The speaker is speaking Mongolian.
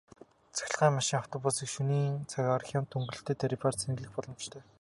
Цахилгаан машин, автобусыг шөнийн цагаар хямд хөнгөлөлттэй тарифаар цэнэглэх боломжтой.